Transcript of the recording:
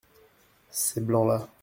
Ces blancs-là.